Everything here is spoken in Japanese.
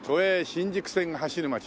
新宿線が走る街で。